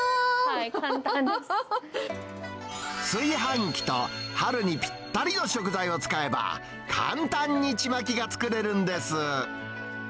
炊飯器と春にぴったりの食材を使えば、簡単にちまきが作れるんです。